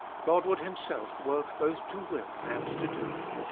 God would Himself work both to will and to do.